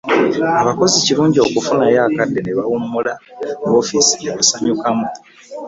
Abakozi kirungi okufunayo akadde ne bawummula woofiisi ne basanyukamu